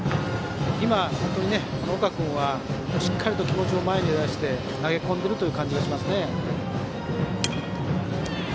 本当に岡君はしっかりと気持ちを前に出して投げ込んでいる感じがしますね。